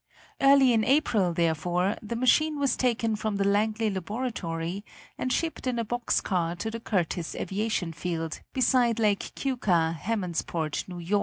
Early in April, therefore, the machine was taken from the Langley Laboratory and shipped in a box car to the Curtiss Aviation Field, beside Lake Keuka, Hammondsport, N. Y.